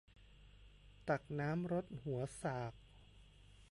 ตักน้ำรดหัวสาก